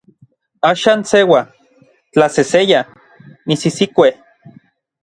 Axan seua, tlaseseya, nisisikue.